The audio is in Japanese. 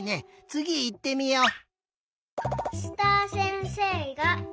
つぎいってみよう。